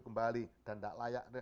kembali dan tidak layak